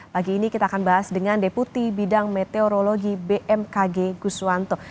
pagi ini kita akan bahas dengan deputi bidang meteorologi bmkg guswanto